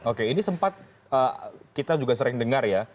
oke ini sempat kita juga sering dengar ya